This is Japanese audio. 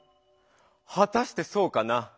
はたしてそうかな？